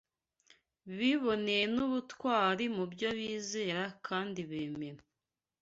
biboneye n’ubutwari mu byo bizera kandi bemera.